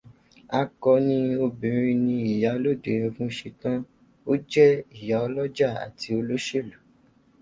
Akoni obìnrin ni Ìyálóde Ẹfúnṣetán. Ó jé ìyálọ́jà àti olóṣèlú